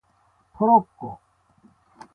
トロッコ